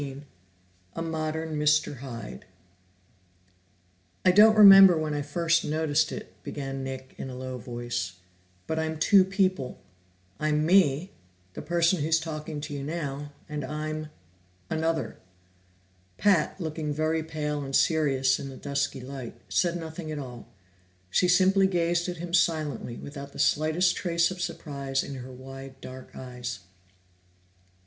15 A Modern Mr. Hyde "I don't remember when I first noticed it," began Nick in a low voice, "but I'm two people. I'm me, the person who's talking to you now, and I'm another." Pat, looking very pale and serious in the dusky light, said nothing at all. She simply gazed at him silently, without the slightest trace of surprise in her wide dark eyes.